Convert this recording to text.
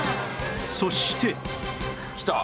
そしてきた。